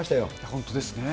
本当ですね。